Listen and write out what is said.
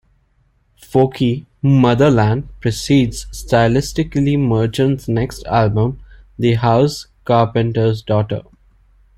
Folky "Motherland" precedes stylistically Merchant's next album, "The House Carpenter's Daughter".